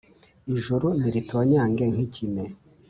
ijuru niritonyange nk’ikime,